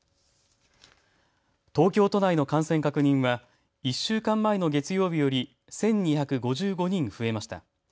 東京都内の感染確認は１週間前の月曜日より１２５５人増えました。